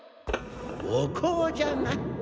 おこうじゃが。